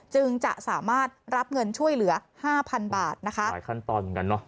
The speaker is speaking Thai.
จึงจะสามารถรับเงินช่วยเหลือห้าพันบาทนะคะหลายขั้นตอนเหมือนกันเนอะ